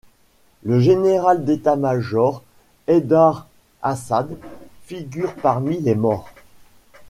Le général d'état-major Haydar Asaad figure parmi les morts.